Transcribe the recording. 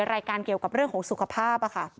รายการเกี่ยวกับเรื่องของสุขภาพค่ะ